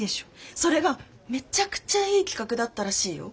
それがめちゃくちゃいい企画だったらしいよ。